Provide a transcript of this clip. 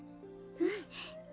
うん。